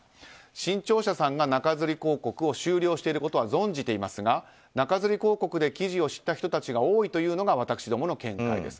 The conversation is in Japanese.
新潮社さんが中づり広告を終了していることは存じていますが中づり広告で記事を知った人たちが多いというのが私どもの見解です。